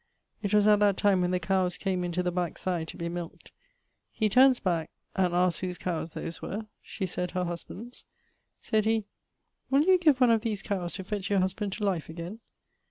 It was at that time when the cowes came into the backside to be milk't. He turnes back, and asked whose cowes those were. She sayd husband's. Sayd he, 'will you give one of these cowes to fetch your husband to life again?'